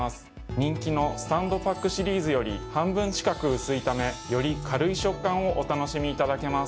人気のスタンドパックシリーズより半分近く薄いためより軽い食感をお楽しみいただけます。